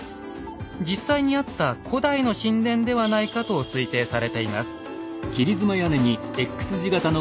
実際にあった古代の神殿ではないかと推定されています。